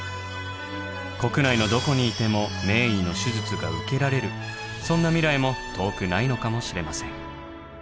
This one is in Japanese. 国内のどこにいても名医の手術が受けられるそんな未来も遠くないのかもしれません。